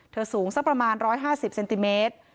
สูงสักประมาณ๑๕๐เซนติเมตร